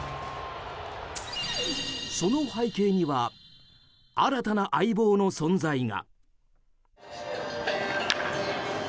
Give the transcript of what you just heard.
その背景には新たな相棒の存在が。